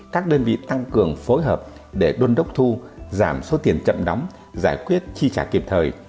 các đơn vị tăng cường phối hợp để đôn đốc thu giảm số tiền chậm đóng giải quyết chi trả kịp thời